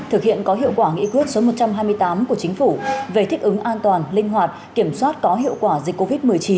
thực hiện có hiệu quả nghị quyết số một trăm hai mươi tám của chính phủ về thích ứng an toàn linh hoạt kiểm soát có hiệu quả dịch covid một mươi chín